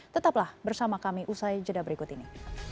tetaplah bersama kami usai jeda berikut ini